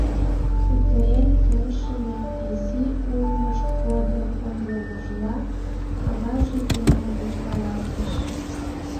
— Кутырен келшыме, — изи улмышт годым ойлымыжла, аваже пеҥгыдын каласыш.